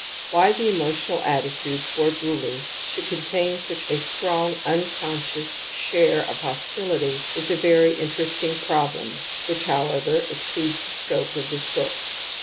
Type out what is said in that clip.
Why the emotional attitude towards rulers should contain such a strong unconscious share of hostility is a very interesting problem which, however, exceeds the scope of this book.